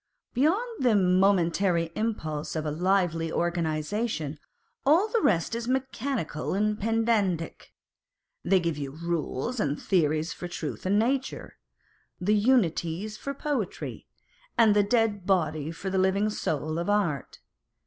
Beyond the momentary impulse of a lively organisation, all the rest is mechanical and pedantic ; they give you rules and theories for truth and nature, the Unities for poetry, and the dead body for the living soul of art.